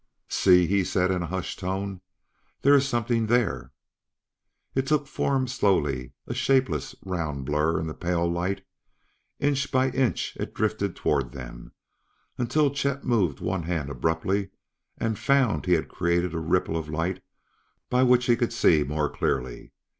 "See!" he said in a hushed tone. "There is something there!" It took form slowly, a shapeless, round blur in the pale light. Inch by inch it drifted toward them, until Chet moved one hand abruptly and found he had created a ripple of light by which he could see more clearly.